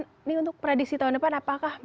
ini untuk prediksi tahun depan apakah